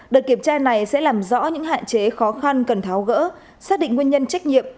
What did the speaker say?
đợt kiểm tra này sẽ làm rõ những hạn chế khó khăn cần tháo gỡ xác định nguyên nhân trách nhiệm